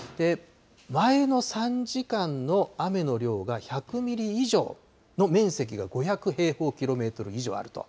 前の３時間の雨の量が１００ミリ以上の面積が５００平方キロメートル以上あると。